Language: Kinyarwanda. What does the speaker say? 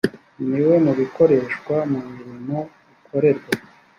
nimwe mu bikoreshwa mu murimo ukorerwa